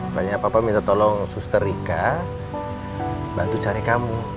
banyak papa minta tolong suster rika bantu cari kamu